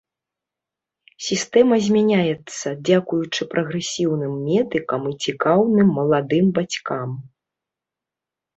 Сістэма змяняецца, дзякуючы прагрэсіўным медыкам і цікаўным маладым бацькам.